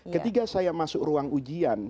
ketika saya masuk ruang ujian